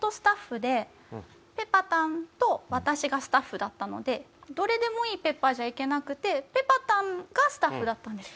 イベントスタッフでどれでもいいペッパーじゃいけなくてぺぱたんがスタッフだったんです。